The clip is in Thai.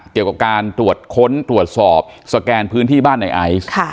เกี่ยวกับการตรวจค้นตรวจสอบสแกนพื้นที่บ้านในไอซ์